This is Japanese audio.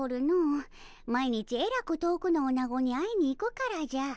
毎日えらく遠くのおなごに会いに行くからじゃ。